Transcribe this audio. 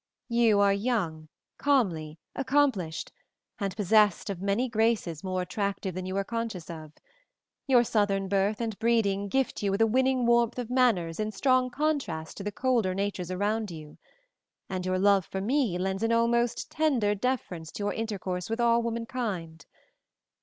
You are young, comely, accomplished, and possessed of many graces more attractive than you are conscious of; your southern birth and breeding gift you with a winning warmth of manners in strong contrast to the colder natures around you; and your love for me lends an almost tender deference to your intercourse with all womankind.